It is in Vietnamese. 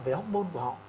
về hốc môn của họ